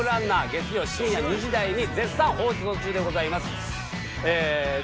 月曜深夜２時台に絶賛放送中でございます。